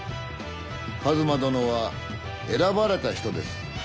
一馬殿は選ばれた人です。